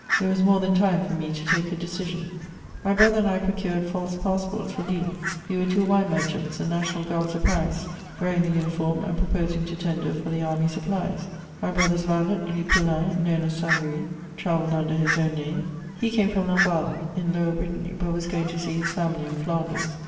It was more than time for me to take a decision. [Sidenote: My brother and I emigrate.] My brother and I procured false passports for Lille: we were two wine merchants and national guards of Paris, wearing the uniform and proposing to tender for the army supplies. My brother's valet, Louis Poullain, known as Saint Louis, travelled under his own name; he came from Lamballe, in Lower Brittany, but was going to see his family in Flanders.